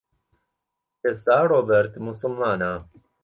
ئێستا ڕۆبەرت موسڵمانە.